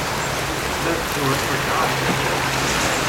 Let's Do It for Johnny!